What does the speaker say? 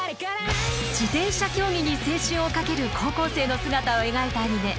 自転車競技に青春をかける高校生の姿を描いたアニメ